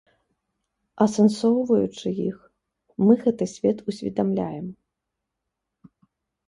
Асэнсоўваючы іх, мы гэты свет усведамляем.